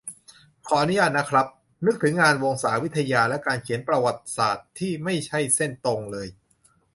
ขออนุญาตนะครับ นึกถึงงานวงศาวิทยา และการเขียนประวัติศาสตร์ที่ไม่ใช่เส้นตรงเลย